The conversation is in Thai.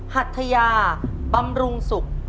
หัทยาบำรุงสุข